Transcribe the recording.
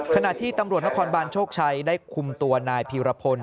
ขณะที่ตำรวจนครบานโชคชัยได้คุมตัวนายพีรพล